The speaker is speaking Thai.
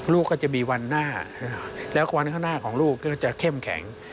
ลูกก็จะมีวันหน้าแล้ววันข้างหน้าของลูกก็จะเข้มแข็ง